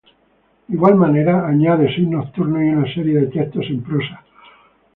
De igual manera, añade seis "nocturnos" y una serie de textos en prosa.